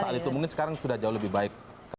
soal itu mungkin sekarang sudah jauh lebih baik